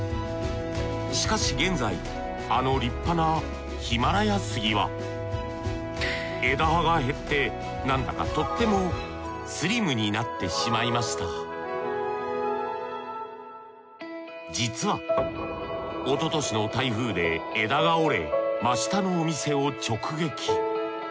しかし現在あの立派なヒマラヤ杉は枝葉が減ってなんだかとってもスリムになってしまいました実はおととしの台風で枝が折れ真下のお店を直撃。